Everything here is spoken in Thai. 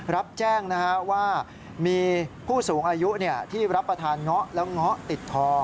รับแจ้งว่ามีผู้สูงอายุที่รับประทานเงาะแล้วเงาะติดทอ